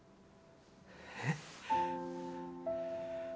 えっ？